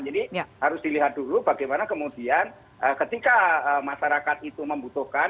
jadi harus dilihat dulu bagaimana kemudian ketika masyarakat itu membutuhkan